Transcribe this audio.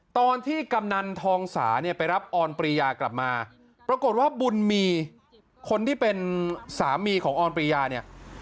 กำนันทองสาเนี่ยไปรับออนปรียากลับมาปรากฏว่าบุญมีคนที่เป็นสามีของออนปริยาเนี่ย